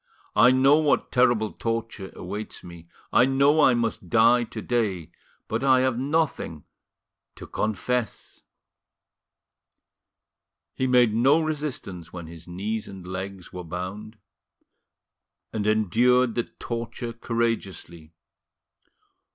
I know what terrible torture awaits me, I know I must die to day, but I have nothing to confess." He made no resistance when his knees and legs were bound, and endured the torture courageously.